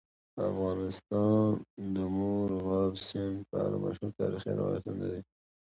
افغانستان د مورغاب سیند په اړه مشهور تاریخي روایتونه لري.